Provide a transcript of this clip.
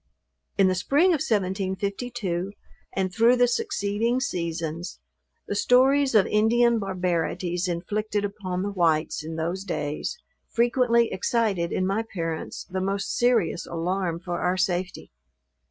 In the spring of 1752, and through the succeeding seasons, the stories of Indian barbarities inflicted upon the whites in those days, frequently excited in my parents the most serious alarm for our safety.